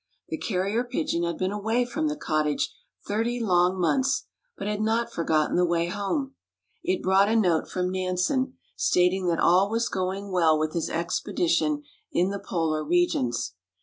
The carrier pigeon had been away from the cottage thirty long months, but had not forgotten the way home. It brought a note from Nansen, stating that all was going well with his expedition in the polar regions.